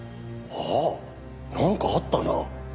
ああなんかあったな。